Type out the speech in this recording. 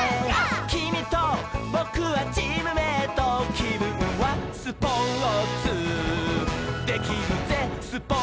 「きみとぼくはチームメイト」「きぶんはスポーツできるぜスポーツ」